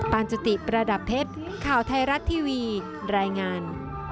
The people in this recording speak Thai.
ปานจุติประดับเพชรข่าวไทยรัฐทีวีรายงาน